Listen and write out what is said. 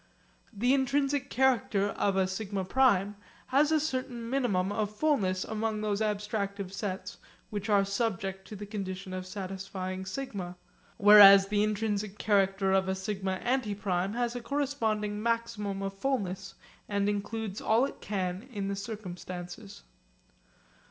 The intrinsic character of a σ prime has a certain minimum of fullness among those abstractive sets which are subject to the condition of satisfying σ; whereas the intrinsic character of a σ antiprime has a corresponding maximum of fullness, and includes all it can in the circumstances.